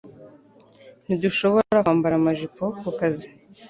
Ntidushobora kwambara amajipo ku kazi